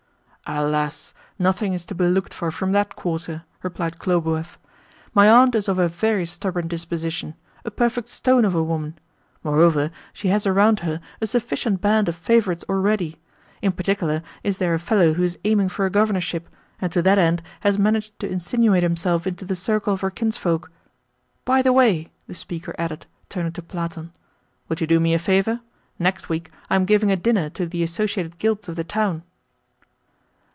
"Alas! nothing is to be looked for from that quarter," replied Khlobuev. "My aunt is of a very stubborn disposition a perfect stone of a woman. Moreover, she has around her a sufficient band of favourites already. In particular is there a fellow who is aiming for a Governorship, and to that end has managed to insinuate himself into the circle of her kinsfolk. By the way," the speaker added, turning to Platon, "would you do me a favour? Next week I am giving a dinner to the associated guilds of the town."